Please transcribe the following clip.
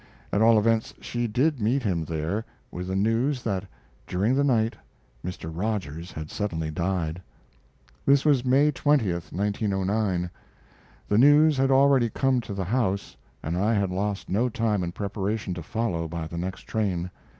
At all events, she did meet him there, with the news that during the night Mr. Rogers had suddenly died. This was May 20, 1909. The news had already come to the house, and I had lost no time in preparations to follow by the next train.